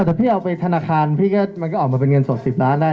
อาจจะพี่เอาไปธนาคารมันก็ออกมาเป็นเงินสด๑๐ล้านได้นะพี่